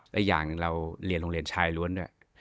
และอย่างเราเรียนโรงเรียนชายล้วนด้วย